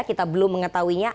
kita belum mengetahuinya